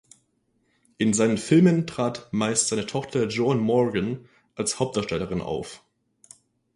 In seinen Filmen trat meist seine Tochter Joan Morgan als Hauptdarstellerin auf.